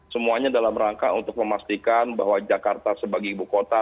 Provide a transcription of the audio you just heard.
semuanya dalam rangka untuk memastikan bahwa jakarta sebagai ibu kota